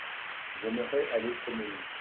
J’aimerais aller promener.